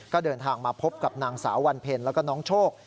ก็เดินทางมาพบกับนางสาววันเพ็ญแล้วก็น้องโชค